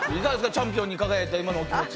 チャンピオンに輝いた今のお気持ち。